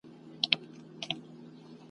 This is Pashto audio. له خپل تربوره مو د سلو کالو غچ اخیستی ,